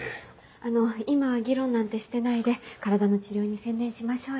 あの今は議論なんてしてないで体の治療に専念しましょうよ。